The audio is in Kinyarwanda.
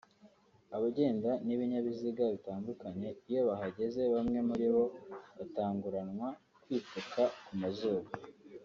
abagenda n’ibinyabiziga bitandukanye iyo bahageze bamwe muri bo batanguranwa kwipfuka ku mazuru